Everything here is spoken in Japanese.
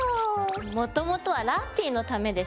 もともとはラッピィのためでしょ。